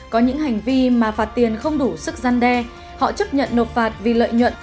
có những hành vi mà phạt tiền không đủ sức gian đe họ chấp nhận nộp phạt vì lợi nhuận